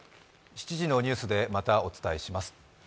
７時のニュースで、またお伝えします。